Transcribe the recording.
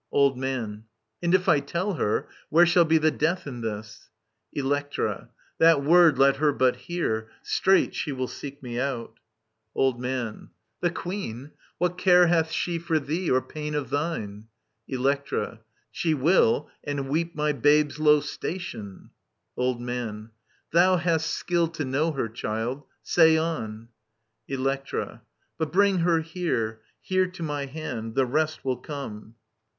Old Man. And if I tell her, where shall be The death in this ? Electra. That word let her but hear, Straight she will seek me out ! Digitized by VjOOQIC 44 EURIPIDES Old Man. The queen ! What care ' Hath she for thee, or pain of thine i Electra. She will ; And weep my babe's low station I Old Man. Thou hast skill To know her, child ; say on. Electra. But bring her here, Here to my hand ; the rest will come.